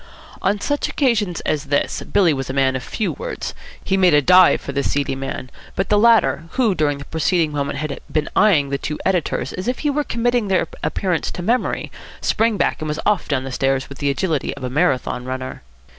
On such occasions as this Billy was a man of few words. He made a dive for the seedy man; but the latter, who during the preceding moment had been eyeing the two editors as if he were committing their appearance to memory, sprang back, and was off down the stairs with the agility of a Marathon runner.